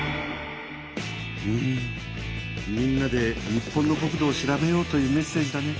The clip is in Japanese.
うんみんなで日本の国土を調べようというメッセージだね。